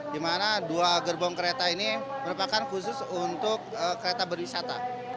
di mana dua gerbong kereta ini merupakan khusus untuk kereta berwisata